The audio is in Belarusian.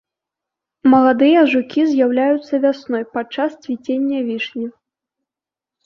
Маладыя жукі з'яўляюцца вясной, падчас цвіцення вішні.